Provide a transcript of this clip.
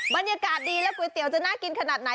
บรรยากาศดีแล้วก๋วยเตี๋ยจะน่ากินขนาดไหน